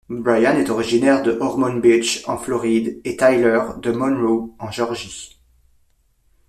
Brian est originaire de Ormond Beach en Floride et Tyler de Monroe en Géorgie.